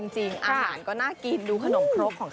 เชิญมากินขนมคกฮิปพอป